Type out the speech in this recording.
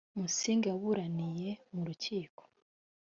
musinga yaburaniye mu rukiko.